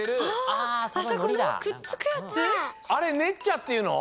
あれねっちゃっていうの？